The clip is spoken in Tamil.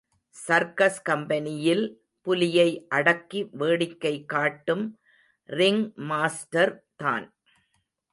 சர்க்கஸ் கம்பெனியில் புலியை அடக்கி வேடிக்கை காட்டும் ரிங் மாஸ்டர் தான்.